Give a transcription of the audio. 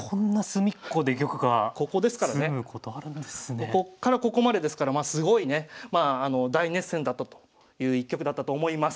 ここからここまでですからまあすごいね大熱戦だったという一局だったと思います。